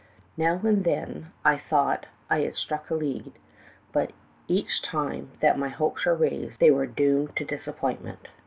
Now and then I thought I had 'struck a lead,' but each time that my hopes were raised they were doomed to disap pointment.